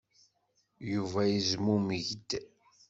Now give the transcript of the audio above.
Yuba yezmumeg-d.